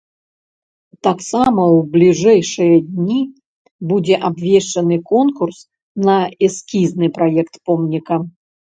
Таксама ў бліжэйшыя дні будзе абвешчаны конкурс на эскізны праект помніка.